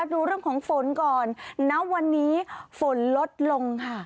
ดูเรื่องของฝนก่อนณวันนี้ฝนลดลงค่ะ